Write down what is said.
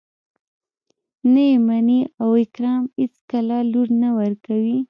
نه يې مني او اکرم اېڅکله لور نه ورکوي.